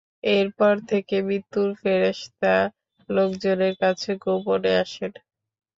এরপর থেকে মৃত্যুর ফেরেশতা লোকজনের কাছে গোপনে আসেন।